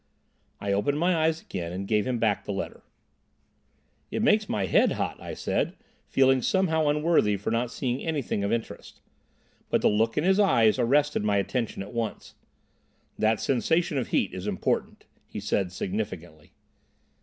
I opened my eyes again, and gave him back the letter. "It makes my head hot," I said, feeling somehow unworthy for not seeing anything of interest. But the look in his eyes arrested my attention at once. "That sensation of heat is important," he said significantly.